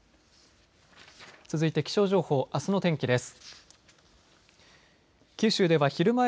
続いて気象情報あすの天気です。